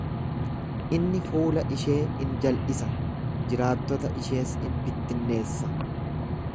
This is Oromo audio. Inni fuula ishee in jal'isa, jiraattota ishees in bittinneessa.